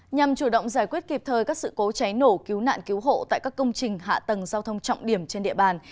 nhằm chủ động giải quyết kịp thời các sự cố cháy nổ cứu nạn cứu hộ tại các công trình hạ tầng giao thông trọng điểm trên địa bàn